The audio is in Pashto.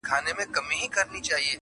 آسمانه اوس خو اهریمن د قهر-